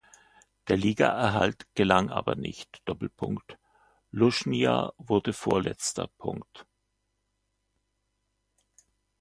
Der Ligaerhalt gelang aber nicht: Lushnja wurde Vorletzter.